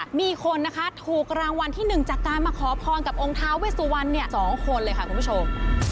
มีคนนะคะถูกรางวัลที่๑จากการมาขอพรกับองค์ท้าเวสุวรรณ๒คนเลยค่ะคุณผู้ชม